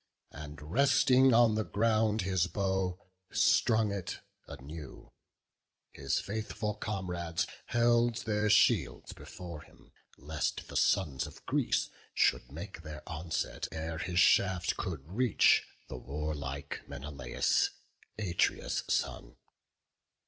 He bent, and resting on the ground his bow, Strung it anew; his faithful comrades held Their shields before him, lest the sons of Greece Should make their onset ere his shaft could reach The warlike Menelaus, Atreus' son.